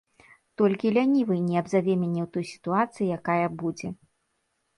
Толькі лянівы не абзаве мяне ў той сітуацыі, якая будзе.